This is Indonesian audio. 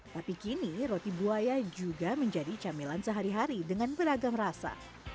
tapi kini roti buaya juga menjadi camilan sehari hari dengan beragam rasa